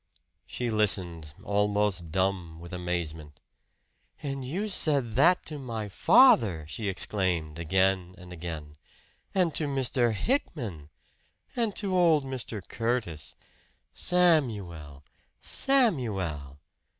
She listened, almost dumb with amazement. "And you said that to my father!" she exclaimed again and again. "And to Mr. Hickman! And to old Mr. Curtis! Samuel! Samuel!"